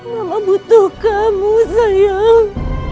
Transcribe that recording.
mama butuh kamu sayang